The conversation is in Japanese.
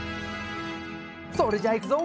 それじゃいくぞ。